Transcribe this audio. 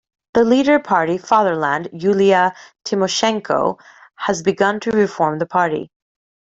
The leader party "Fatherland" Yulia Tymoshenko has begun to reform the party.